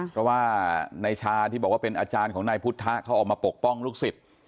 เพราะว่านายชาที่บอกว่าเป็นอาจารย์ของนายพุทธะเขาออกมาปกป้องลูกศิษย์